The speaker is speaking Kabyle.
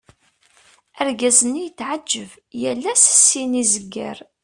Argaz-nni yetɛeğğeb, yal ass syin i zegger.